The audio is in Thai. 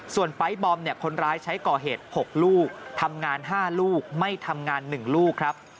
ส่วนไปร์ทบอมเนี่ยคนร้ายใช้ก่อเหตุ๖ลูกทำงาน๕ลูกไม่ทำงาน๑ลูกครับ